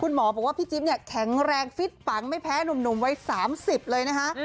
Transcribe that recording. หมอบอกว่าพี่จิ๊บเนี่ยแข็งแรงฟิตปังไม่แพ้หนุ่มวัย๓๐เลยนะคะ